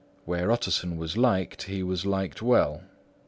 Where Utterson was liked, he was liked well.